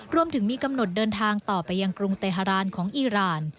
รวมถึงมีกำหนดเดินทางต่อไปยังกรุงเตฮารานของอีราน